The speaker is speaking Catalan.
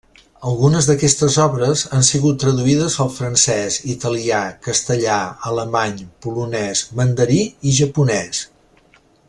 Algunes d'aquestes obres han sigut traduïdes al francès, italià, castellà, alemany, polonès, mandarí i japonès.